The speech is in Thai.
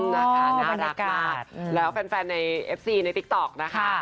แล้วแฟนในเอฟซีในติ๊กต๊อกนะคะ